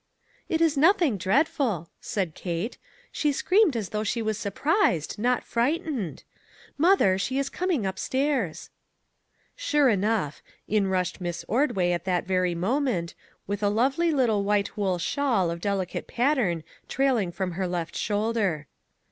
"It is nothing dreadful," said Kate; "she screamed as though she was surprised, not frightened. Mother, she is coming up stairs." Sure enough; in rushed Miss Ordway at that very moment, with a lovely little white wool shawl of delicate pattern trailing from her left shoulder.